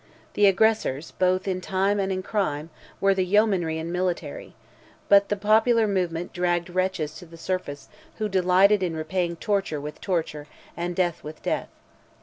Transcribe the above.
The aggressors, both in time and in crime were the yeomanry and military; but the popular movement dragged wretches to the surface who delighted in repaying torture with torture, and death with death.